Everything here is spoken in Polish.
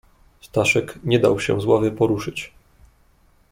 "Staszek nie dał się z ławy poruszyć."